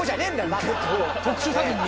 バカ特殊詐欺に？